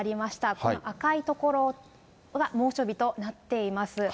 この赤い所が猛暑日となっています。